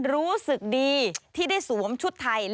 รู้สึกดีที่ได้สวมชุดไทย